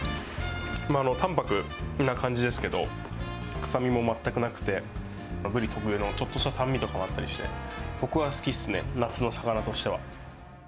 淡泊な感じですけど、臭みも全くなくて、ブリ特有のちょっとした酸味とかがあって、僕は好きっすね、夏の魚としては。